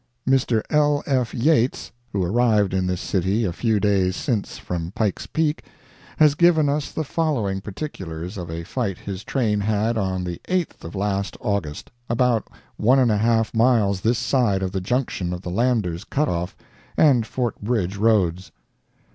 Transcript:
—] Mr. L. F. Yates, who arrived in this city a few days since from Pike's Peak, has given us the following particulars of a fight his train had on the 8th of last August, about one and a half miles this side of the junction of the Lander's Cut off and Fort Bridger roads.